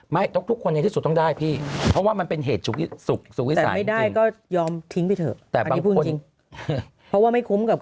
ไม่ต้องทุกคนอย่างที่สุดต้องได้พี่เพราะว่ามันเป็นเหตุสุขสุขวิสัยจริง